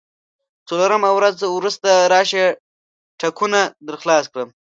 څلورمه ورځ وروسته راشه، ټکونه درخلاص کړم.